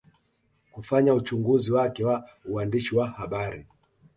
Kufanya uchunguzi wake wa uandishi wa habari